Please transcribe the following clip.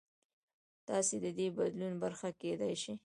تاسو د دې بدلون برخه کېدای شئ.